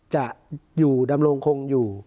จะอยู่ดำรงคงอยู่